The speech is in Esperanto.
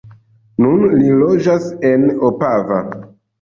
Nun li loĝas en Opava.